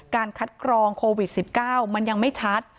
การคัดกรองโควิดสิบเก้ามันยังไม่ชัด